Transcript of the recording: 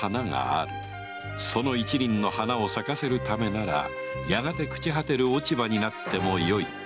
その一輪の花を咲かせるためならやがて朽ち果てる落ち葉になってもよい